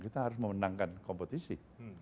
kita harus memenangkan kompetisi